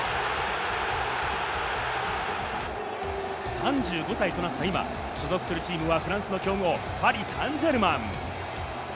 ３５歳となった今、所属するチームはフランスの強豪、パリ・サンジェルマン。